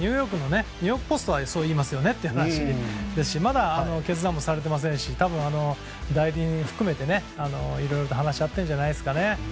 ニューヨーク・ポストはそういいますよねって感じだしまだ決断もされていませんし多分、代理人を含めていろいろと話し合っているんじゃないですかね。